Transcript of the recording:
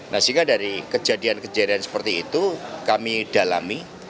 nah sehingga dari kejadian kejadian seperti itu kami dalami